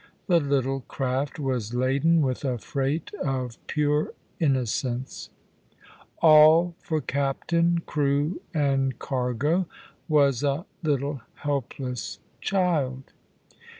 the little craft was laden with a freight of pure innocence! All for captain, crew, and cargo, was a little helpless child.